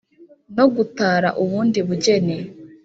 no gutara ubundi bugeni